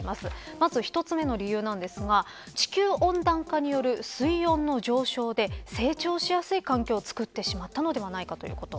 まず１つ目の理由ですが地球温暖化による水温の上昇で成長しやすい環境をつくってしまったのではないかということ。